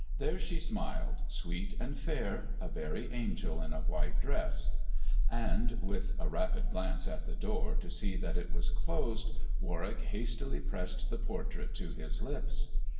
There she smiled, sweet and fair, a very angel in a white dress, and with a rapid glance at the door to see that it was closed, Warwick hastily pressed the portrait to his lips.